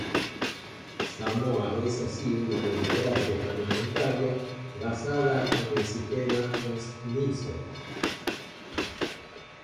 Samoa es así una democracia parlamentaria basada en el sistema Westminster.